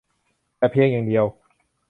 แต่เพียงอย่างเดียว